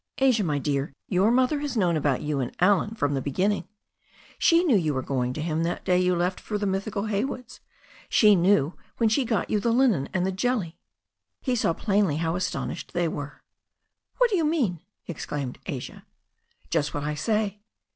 "Asia, my dear, your mother has known about you and Allen from the beginning. She knew you were going to him that day you left for the mythical Haywoods. She knew when she got you the linen and the jelly." He saw plainly how astonished they were. 'What do you mean?" exclaimed Asia. 'Just what I say."